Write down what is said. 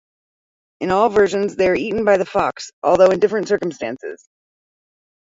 In all versions they are eaten by the fox, although in different circumstances.